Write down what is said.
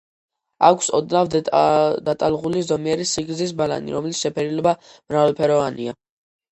აქვს ოდნავ დატალღული, ზომიერი სიგრძის ბალანი, რომლის შეფერილობა მრავალფეროვანია.